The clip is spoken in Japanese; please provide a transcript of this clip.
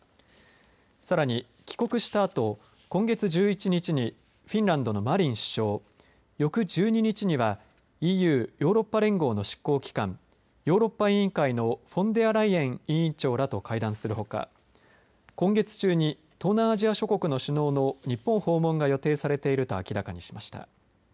さらに、帰国したあと、今月１１日にフィンランドのマリン首相、翌１２日にはＥＵ・ヨーロッパ連合の執行機関、ヨーロッパ委員会のフォンデアライエン委員長らと会談するほか、今月中に東南アジア諸国の首脳の日本訪問が予定されていると明らかにしました。